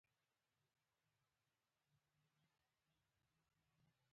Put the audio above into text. ټکنالوجي د اړیکو اسانتیا رامنځته کړې ده.